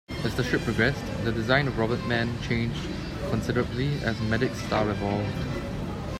As the strip progressed the design of Robotman changed considerably as Meddick's style evolved.